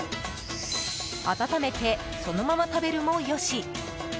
温めて、そのまま食べるもよし。